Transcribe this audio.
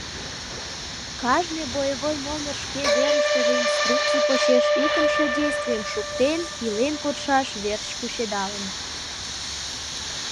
Кажне боевой номер шке верыштыже инструкций почеш икымше действийым шуктен, илен кодшаш верч кучедалын.